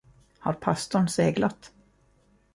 Har pastorn seglat?